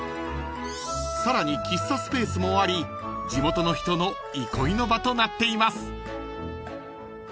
［さらに喫茶スペースもあり地元の人の憩いの場となっています］